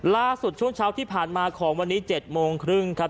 ช่วงเช้าที่ผ่านมาของวันนี้๗โมงครึ่งครับ